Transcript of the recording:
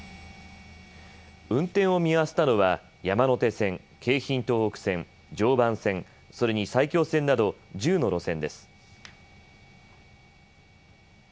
運転を見合わせたのは山手線、京浜東北線、常磐線、それに埼京線など１０の路線です。